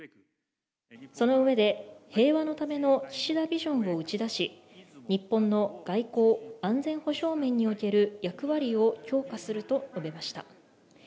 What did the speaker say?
その上で、平和のための岸田ビジョンを打ち出し、日本の外交・安全保障面における役割を強化すると述べました。